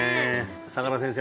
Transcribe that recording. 相良先生